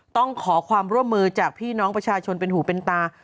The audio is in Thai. ต้องขอความร่วมมือจากพี่น้องประชาชนเป็นหูเป็นตา